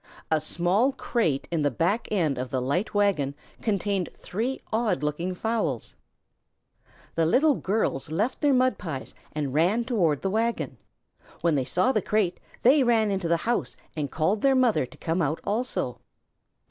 A small crate in the back end of the light wagon contained three odd looking fowls. The Little Girls left their mud pies and ran toward the wagon. When they saw the crate, they ran into the house and called their mother to come out also.